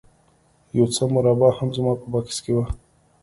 یو څه مربا هم زما په بکس کې وه